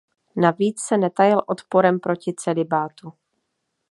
Navíc se netajil odporem proti celibátu.